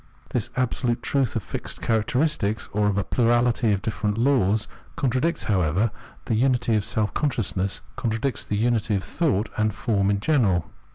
This absolute truth of fixed characteristics, or of a plurahty of different laws, contradicts, however, the unity of self consciousness, contradicts the unity of thought and form in general.